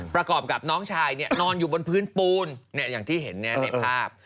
ประกอบกับน้องชายนอนอยู่บนพื้นปูนอย่างที่เห็นในภาพ